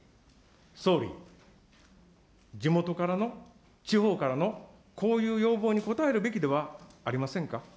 総理、地元からの、地方からのこういう要望に応えるべきではありませんか。